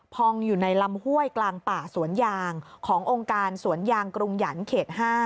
พองอยู่ในลำห้วยกลางป่าสวนยางขององค์การสวนยางกรุงหยันเขต๕